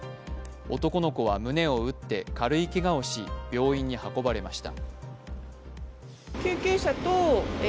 男の子は胸を打って軽いけがをし、病院に運ばれました。